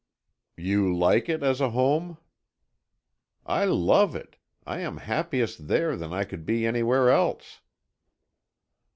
"You like it as a home?" "I love it. I am happier there than I could be anywhere else."